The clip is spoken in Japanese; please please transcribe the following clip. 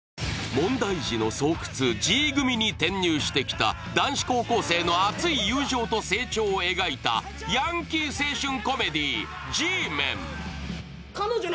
問題児の巣窟、Ｇ組に転入してきた男子高校生の熱い友情と成長を描いたヤンキー青春コメディー「Ｇメン」。